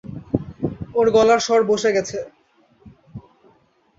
ওর গলার স্বর বসে গেছে!